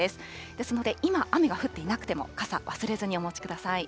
ですので、今、雨が降っていなくても傘、忘れずにお持ちください。